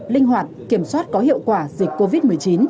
linh hoạt kiểm soát có hiệu quả dịch covid một mươi chín